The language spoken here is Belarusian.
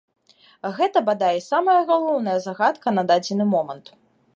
Гэта, бадай, самая галоўная загадка на дадзены момант.